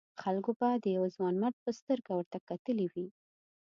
خلکو به د یوه ځوانمرد په سترګه ورته کتلي وي.